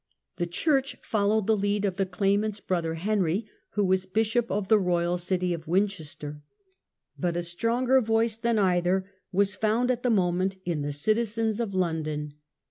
The church followed the lead of the claimant's brother Henry, who was bishop of the royal city of Winchester. But a stronger voice than lO THE FIGHT FOR THE CROWN. either was found at the moment in the citizens of Lon don.